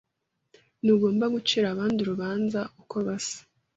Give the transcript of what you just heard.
Ntugomba gucira abandi urubanza uko basa.